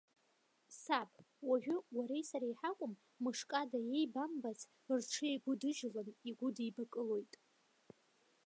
Саб, уажәы уареи сареи ҳакәым, мышкада еибамбац рҽеигәыдыжьлан игәыдибакылоит.